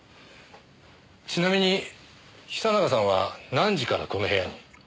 ちなみに久永さんは何時からこの部屋に？